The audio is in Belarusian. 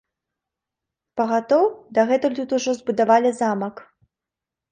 Пагатоў, дагэтуль тут ужо збудавалі замак.